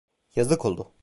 Yazık oldu.